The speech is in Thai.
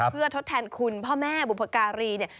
เพื่อทดแทนคุณพ่อแม่บุพการีเนี่ย